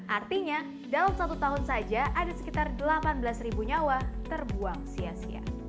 artinya dalam satu tahun saja ada sekitar delapan belas ribu nyawa terbuang sia sia